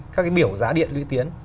các biểu giá điện lưu tiến